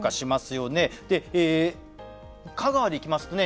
で香川にいきますとね